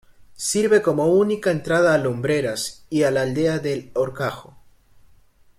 Sirve como única entrada a Lumbreras y a la aldea de El Horcajo.